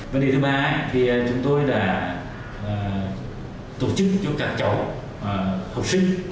vấn đề thứ ba thì chúng tôi đã tổ chức cho các cháu học sinh